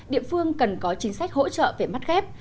địa phương cần có chính sách hỗ trợ về mắt ghép